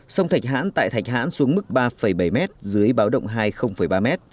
sông thạch hãn tại thạch hãn xuống mức ba bảy m dưới báo động hai ba m